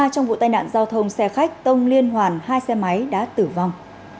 trong vụ tai nạn giao thông xe khách tông liên hoàn hai xe máy đã tử vong